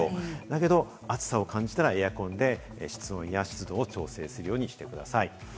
だけど暑さを感じたら、エアコンで室温や湿度を調整するようにしてください。